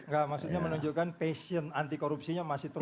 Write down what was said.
enggak maksudnya menunjukkan passion anti korupsinya masih terlalu